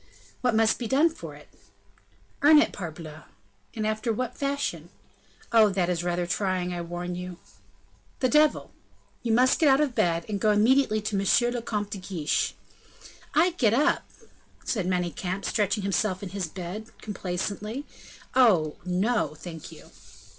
"What must be done for it?" "Earn it, parbleu!" "And after what fashion?" "Oh! that is rather trying, I warn you." "The devil!" "You must get out of bed, and go immediately to M. le Comte de Guiche." "I get up!" said Manicamp, stretching himself in his bed, complacently, "oh, no, thank you!"